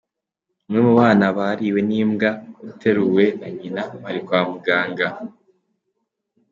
umwe mu bana bariwe n’imbwa uteruwe na nyina bari kwa muganga.